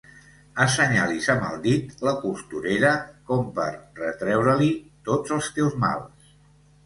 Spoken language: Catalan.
Assenyalis amb el dit la costurera com per retreure-li tots els teus mals.